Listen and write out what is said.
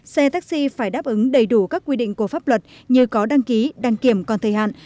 xe taxi phải đáp ứng đầy đủ các quy định của pháp luật như có đăng ký đăng kiểm còn thời hạn